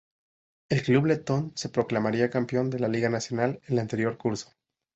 El club letón, se proclamaría campeón de la liga nacional el anterior curso.